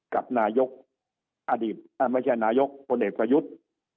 กับนายกอดีตไม่ใช่นายกพลเอกประยุทธ์